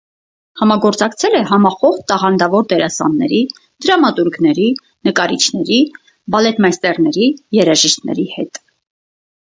Համագործակցել է համախոհ տաղանդավոր դերասանների, դրամատուրգների, նկարիչների, բալետմայստերների, երաժիշտների հետ։